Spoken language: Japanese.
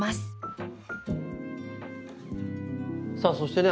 さあそしてね